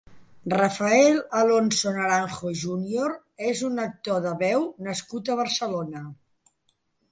Rafael Alonso Naranjo júnior és un actor de veu nascut a Barcelona.